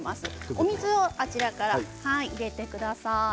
お水をこちらから入れてください。